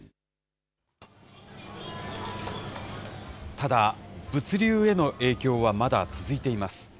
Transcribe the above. ただ、物流への影響はまだ続いています。